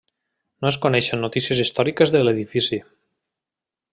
No es coneixen notícies històriques de l'edifici.